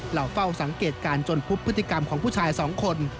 เราเฝ้าสังเกตการณ์จนพบพฤติกรรมของผู้ชายสองคน